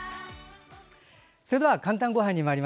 それでは「かんたんごはん」です。